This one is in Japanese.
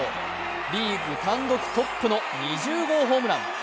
リーグ単独トップの２０号ホームラン。